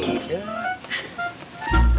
itu itu pak haji